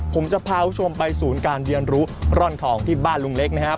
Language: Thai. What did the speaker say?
ผมจะพาคุณผู้ชมไปศูนย์การเรียนรู้ร่อนทองที่บ้านลุงเล็กนะครับ